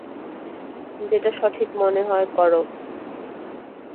যেটা সঠিক মনে হয় করো।